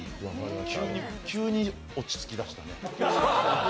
急に落ち着きだしたね。